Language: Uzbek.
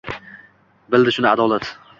Bildi shuni adolat.